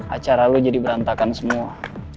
acara lo jadi berantakan semua